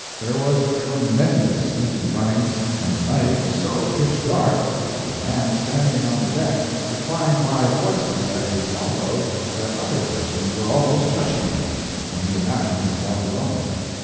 There was a tremendous sea running, and the night was so pitch dark that a man standing on the deck would find by voices at his elbow that other persons were almost touching him, when he imagined himself alone.